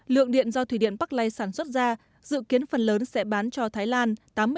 lượng điện do thủy điện park lay sản xuất ra dự kiến phần lớn sẽ bán cho thái lan tám mươi năm